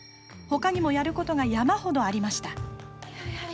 ほかにも、やることが山ほどありました。